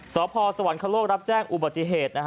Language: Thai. สพสวรรคโลกรับแจ้งอุบัติเหตุ